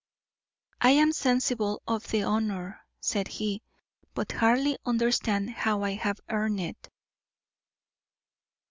"I am sensible of the honour," said he, "but hardly understand how I have earned it."